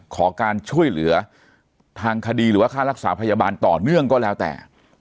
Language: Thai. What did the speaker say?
ขอการช่วยเหลือทางคดีหรือว่าค่ารักษาพยาบาลต่อเนื่องก็แล้วแต่